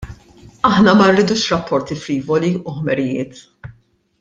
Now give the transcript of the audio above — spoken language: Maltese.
Aħna ma rridux rapporti frivoli u ħmerijiet.